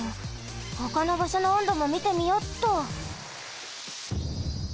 ほかのばしょの温度もみてみよっと。